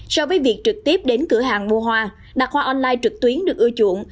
so với việc trực tiếp đến cửa hàng mua hoa đặt hoa online trực tuyến được ưa chuộng